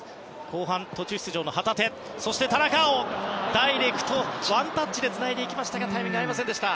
ダイレクト、ワンタッチでつないでいきましたがタイミングが合いませんでした。